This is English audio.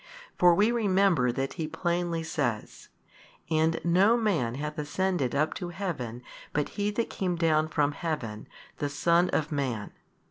For we remember that He plainly says, And no man hath ascended up to heaven but He That came down from Heaven, the Son of man.